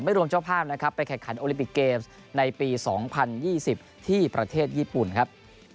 รวมเจ้าภาพนะครับไปแข่งขันโอลิปิกเกมส์ในปี๒๐๒๐ที่ประเทศญี่ปุ่นครับ